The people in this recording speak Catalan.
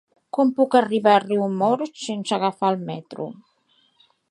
Com puc arribar a Riumors sense agafar el metro?